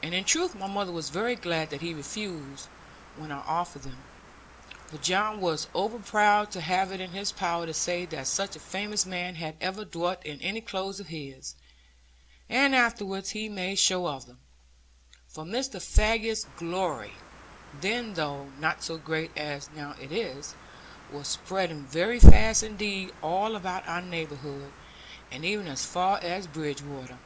And in truth my mother was very glad that he refused, when I offered them. But John was over proud to have it in his power to say that such a famous man had ever dwelt in any clothes of his; and afterwards he made show of them. For Mr. Faggus's glory, then, though not so great as now it is, was spreading very fast indeed all about our neighbourhood, and even as far as Bridgewater.